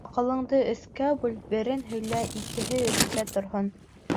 Аҡылыңды өскә бүл: берен һөйлә, икеһе эстә торһон.